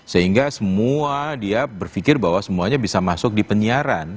sehingga semua dia berpikir bahwa semuanya bisa masuk di penyiaran